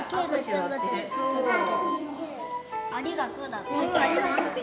「ありがとう」だって。